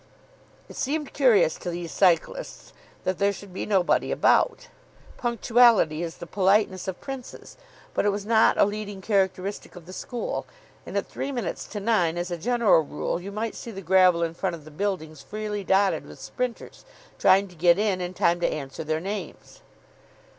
It seemed curious to these cyclists that there should be nobody about. Punctuality is the politeness of princes, but it was not a leading characteristic of the school; and at three minutes to nine, as a general rule, you might see the gravel in front of the buildings freely dotted with sprinters, trying to get in in time to answer their names.